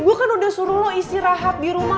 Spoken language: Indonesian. gue kan udah suruh lo isi rahat di rumah